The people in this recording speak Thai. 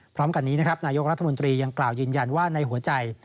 พร้อมกันนี้นะครับนายกรัฐมนตรียังกล่าวยืนยันว่าในหัวใจ